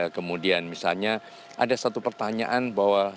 kemudian misalnya ada satu pertanyaan bahwa